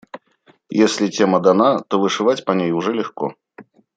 Если тема дана, то вышивать по ней уже легко.